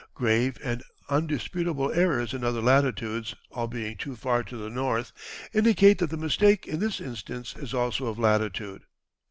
Grave and undisputable errors in other latitudes, all being too far to the north, indicate that the mistake in this instance is also of latitude.